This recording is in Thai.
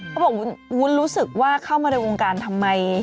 เขาบอกวุ้นรู้สึกว่าเข้ามาในวงการทำไม